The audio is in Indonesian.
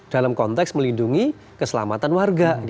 dalam konteks melindungi keselamatan warga